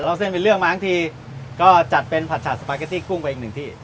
เส้นเป็นเรื่องมาทั้งทีก็จัดเป็นผัดฉาดสปาเกตตี้กุ้งไปอีกหนึ่งที่